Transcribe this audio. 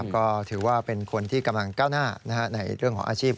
ก็ถือว่าเป็นคนที่กำลังก้าวหน้าในเรื่องของอาชีพ